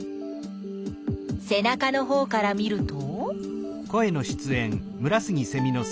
せなかのほうから見ると？